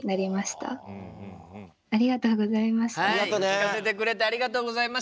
聞かせてくれてありがとうございました。